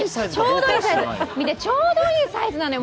見て、ちょうどいいサイズなのよ。